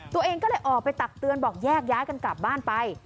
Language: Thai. ตัวเองก็เลยออกไปตักเตือนบอกแยกย้ายกันกลับบ้านไป